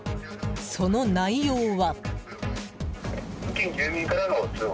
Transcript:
その内容は。